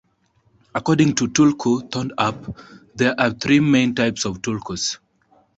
According to Tulku Thondup, there are three main types of tulkus.